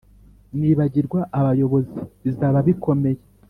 Nibagirwa abayobozi bizaba bikomeye.